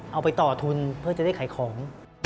เอาไปต่อทุนเพื่อจะได้ขายของ